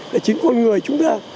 là chính con người chúng ta